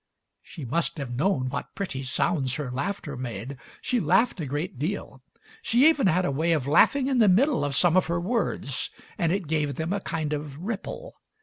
She must have known what pretty sounds her laughter made. She laughed a great deal. She even had a way of laughing in the middle of some of her words, and it gave them a kind of ripple.